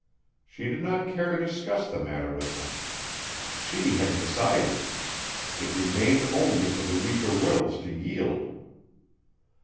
She did not care to discuss the matter with them. She had decided. It remained only for weaker wills to yield.